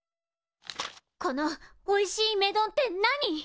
このおいしい目丼って何？